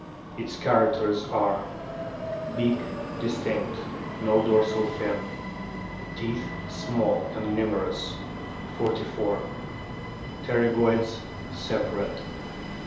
Its characters are : Beak distinct ; no dorsal fin. Teeth small and numerous, 44. Pterygoids separate.